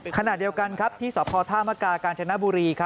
ขนาดเดียวกันที่สธมกกาญชนบุรี